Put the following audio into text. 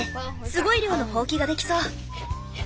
すごい量のホウキができそう。